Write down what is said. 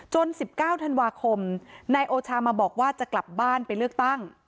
๑๙ธันวาคมนายโอชามาบอกว่าจะกลับบ้านไปเลือกตั้ง